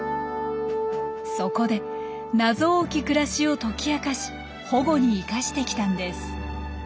そこで謎多き暮らしを解き明かし保護に生かしてきたんです。